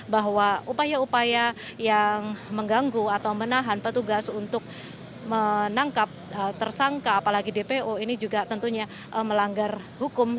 bahwa upaya upaya yang mengganggu atau menahan petugas untuk menangkap tersangka apalagi dpo ini juga tentunya melanggar hukum